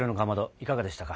いかがでしたか。